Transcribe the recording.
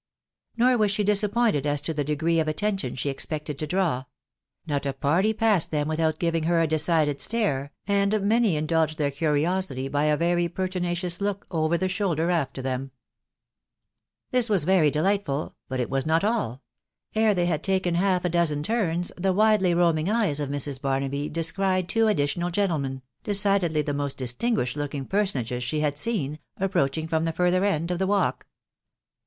Nor was she disappointed as to the degree of attention she ^expected to draw; not a party passed them without givrnj her a decided stare, and many indulged theia eurioaity by a very pertinacious look oyer the shoulder after them* This was Very delightful, but it was not all : eve they bed taken half a dozen turns* the widely roaming eyes of lam Barnahy descried two additional gentlemen, decidedly the most distinguished looking personages she had sean*.aj3proaahv ing from the further end of the walk.